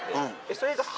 それが。